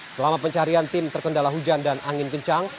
selama pencarian tim terkendala hujan dan angin kencang